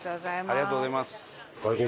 ありがとうございます。